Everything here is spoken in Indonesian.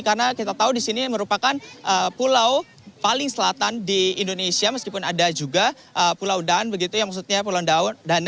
karena kita tahu disini merupakan pulau paling selatan di indonesia meskipun ada juga pulau dan yang maksudnya pulau ndawo